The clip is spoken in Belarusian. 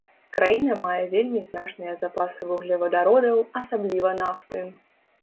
Краіна мае вельмі значныя запасы вуглевадародаў, асабліва нафты.